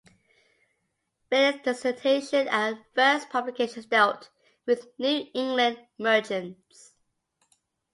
Bailyn's dissertation and first publications dealt with New England merchants.